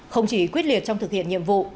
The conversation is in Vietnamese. không chỉ quyết liệt trong thực hiện nhiệm vụ